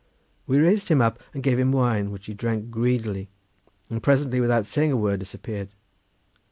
We raised him up and gave him wine, which he drank greedily, and presently without saying a word disappeared.